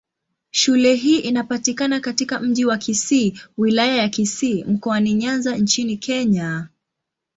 Shule hii inapatikana katika Mji wa Kisii, Wilaya ya Kisii, Mkoani Nyanza nchini Kenya.